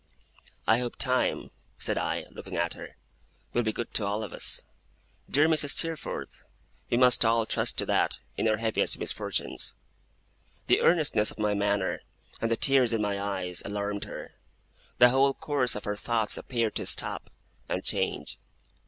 'I hope Time,' said I, looking at her, 'will be good to all of us. Dear Mrs. Steerforth, we must all trust to that, in our heaviest misfortunes.' The earnestness of my manner, and the tears in my eyes, alarmed her. The whole course of her thoughts appeared to stop, and change.